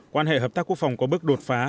quan hệ hợp tác quốc phòng có bước đột phá